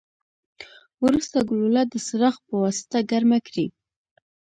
وروسته ګلوله د څراغ پواسطه ګرمه کړئ.